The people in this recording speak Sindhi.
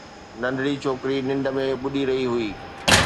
ننڍڙي ڇوڪري ننڊ ۾ ٻڏي رهي هئي